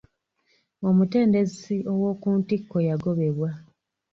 Omutendesi owokuntikko yagobebwa.